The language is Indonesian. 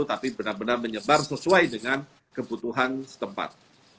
tapi benar benar menyebar sesuai dengan kebutuhan setempat